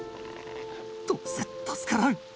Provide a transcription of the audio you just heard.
どうせ助からん！